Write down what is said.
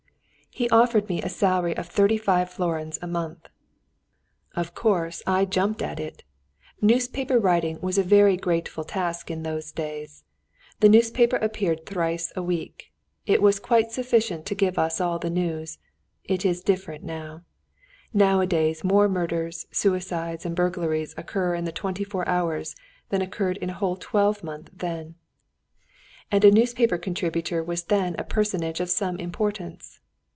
He offered me a salary of thirty five florins a month. Of course I jumped at it. Newspaper writing was a very grateful task in those days. The paper appeared thrice a week. That was quite sufficient to give us all the news. It is different now. Nowadays more murders, suicides, and burglaries occur in the twenty four hours than occurred in a whole twelvemonth then. And a newspaper contributor was then a personage of some importance.